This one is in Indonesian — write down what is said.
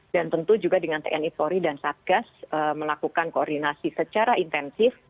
tentu juga dengan tni polri dan satgas melakukan koordinasi secara intensif